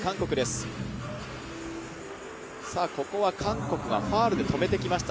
ここは韓国がファウルで止めてきました。